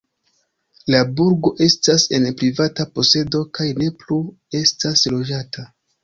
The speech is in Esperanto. La burgo estas en privata posedo kaj ne plu estas loĝata.